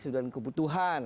sudah dikaji kebutuhan